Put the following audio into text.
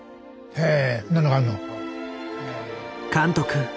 へえ。